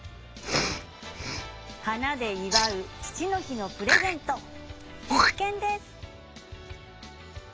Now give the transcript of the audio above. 花で祝う父の日のプレゼント必見です。